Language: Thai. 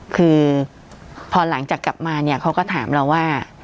คือพอหลังจากกลับมาเนี่ยเขาก็ถามเราว่า